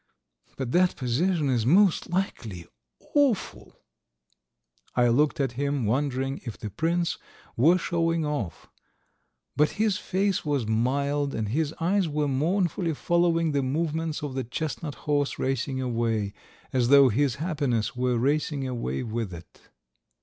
... But that position is most likely awful. .." I looked at him, wondering if the prince were showing off. But his face was mild and his eyes were mournfully following the movements of the chestnut horse racing away, as though his happiness were racing away with it.